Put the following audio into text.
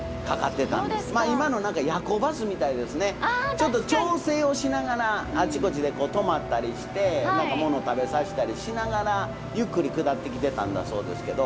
ちょっと調整をしながらあちこちで止まったりして何か物食べさせたりしながらゆっくり下ってきてたんだそうですけど。